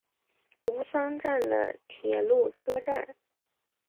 吾桑站的铁路车站。